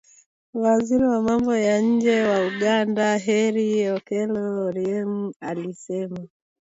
Waziri wa Mambo ya Nje wa Uganda Henry Okello Oryem alisema